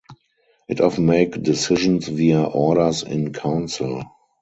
It often make decisions via Orders in Council.